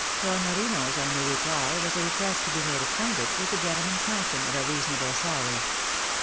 Tornorino's only reply was a request to be made acquainted with the gentleman's notion of a reasonable salary.